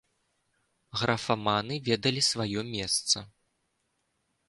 Графаманы ведалі сваё месца.